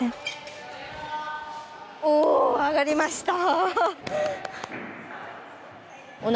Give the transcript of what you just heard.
お上がりました！